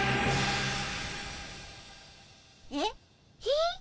えっ？